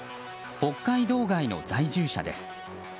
北海道外の在住者です。